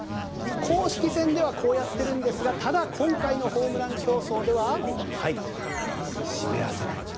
公式戦ではこうやっているんですがただ、今回のホームラン競争では湿らせない。